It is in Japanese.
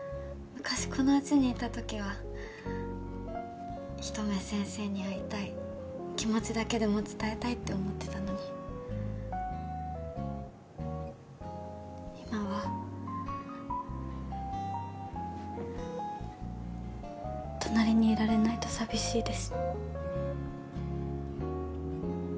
昔このうちにいた時はひと目先生に会いたい気持ちだけでも伝えたいって思ってたのに今は隣にいられないと寂しいです